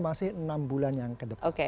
masih enam bulan yang kedepan